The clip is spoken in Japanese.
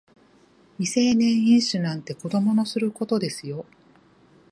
未成年飲酒なんて子供のすることですよ